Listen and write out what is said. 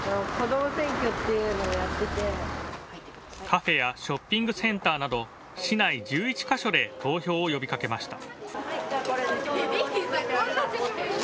カフェやショッピングセンターなど市内１１か所で投票を呼びかけました。